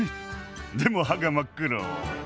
でも歯が真っ黒。